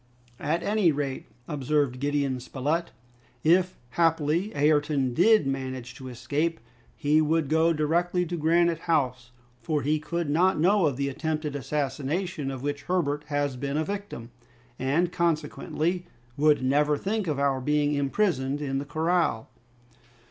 "At any rate," observed Gideon Spilett, "if happily Ayrton did manage to escape, he would go directly to Granite House, for he could not know of the attempted assassination of which Herbert has been a victim, and consequently would never think of our being imprisoned in the corral."